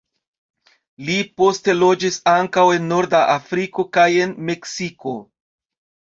Li poste loĝis ankaŭ en norda Afriko kaj en Meksiko.